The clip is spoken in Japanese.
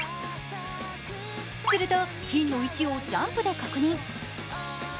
すると、ピンの位置をジャンプで確認。